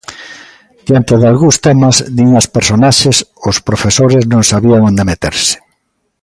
Diante dalgúns temas, din as personaxes, os profesores non sabían onde meterse.